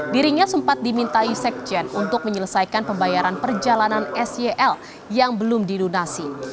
dirinya sempat dimintai sekjen untuk menyelesaikan pembayaran perjalanan sel yang belum dilunasi